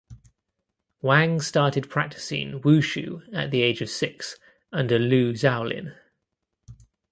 Wang started practicing wushu at the age of six under Lu Xiaolin.